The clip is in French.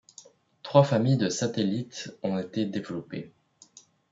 Trois familles de satellites ont été développées.